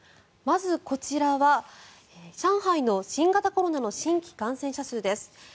まずこちらは上海の新型コロナの新規感染者数です。